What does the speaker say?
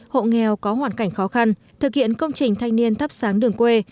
hộ nghèo có hoàn cảnh khó khăn thực hiện công trình thanh niên thắp sáng đường quê